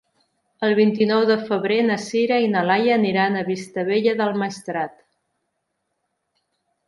El vint-i-nou de febrer na Sira i na Laia aniran a Vistabella del Maestrat.